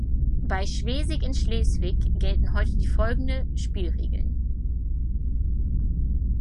Bei Schwesing in Schleswig gelten heute die folgende Spielregeln.